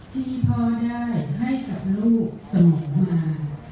ที่พ่อได้ให้กับลูกเสมอมา